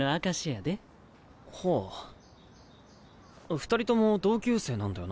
二人とも同級生なんだよな？